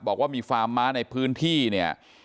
บอกว่ามีฟาร์มม้าในพื้นที่เนี่ย